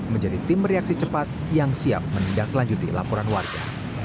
menjadi tim reaksi cepat yang siap menindaklanjuti laporan warga